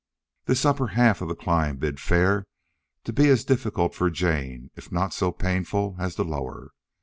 This upper half of the climb bid fair to be as difficult for Jane, if not so painful, as the lower.